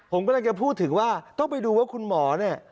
ผมกำลังจะพูดถึงว่าต้องไปดูว่าคุณหมอเนี่ย